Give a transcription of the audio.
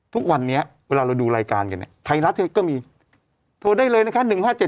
ทุกวันนี้เวลาเราดูรายการกันเนี่ยไทยรัฐทีวีก็มีโทรได้เลยนะคะ